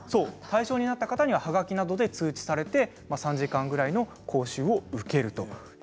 対象になった方にははがきなどで通知されて３時間ぐらいの講習を受けると。